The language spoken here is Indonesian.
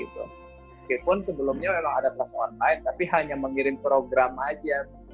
meskipun sebelumnya memang ada kelas online tapi hanya mengirim program aja